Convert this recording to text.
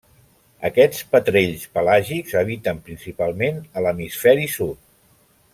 Aquests petrells pelàgics habiten principalment a l'Hemisferi Sud.